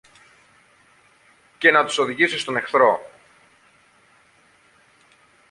και να τους οδηγήσω στον εχθρό.